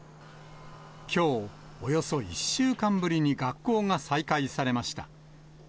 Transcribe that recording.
きょう、およそ１週間ぶりに学校が再開されました。